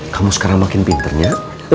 kamu sekarang makin pinternya